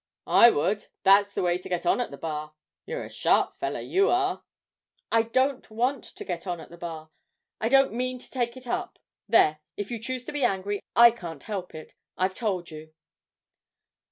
'I would; that's the way to get on at the Bar; you're a sharp feller, you are!' 'I don't want to get on at the Bar. I don't mean to take it up; there, if you choose to be angry, I can't help it. I've told you.'